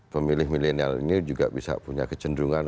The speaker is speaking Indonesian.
pemilih milenial ini juga bisa punya kecenderungan